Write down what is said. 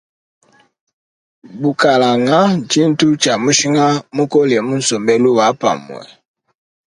Bukalanga tshintu tshia mushinga mukole mu sombelu wa pamue.